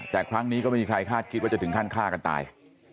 แต่ครั้งนี้ก็ไม่มีใครคาดคิดว่าจะถึงขั้นฆ่ากันตาย